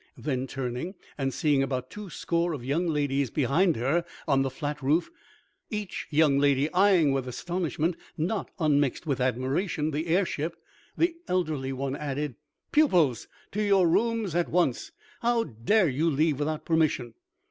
Then turning, and seeing about two score of young ladies behind her on the flat roof, each young lady eying with astonishment, not unmixed with admiration, the airship, the elderly one added: "Pupils! To your rooms at once! How dare you leave without permission?"